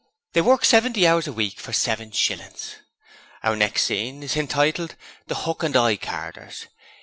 They work seventy hours a week for seven shillings. Our next scene is hintitled "The Hook and Eye Carders".